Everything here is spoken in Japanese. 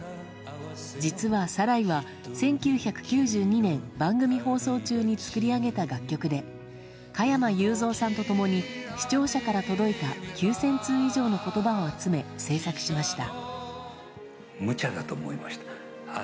実は「サライ」は、１９９２年番組放送中に作り上げた楽曲で加山雄三さんと共に視聴者から届いた９０００通以上の言葉を集め制作しました。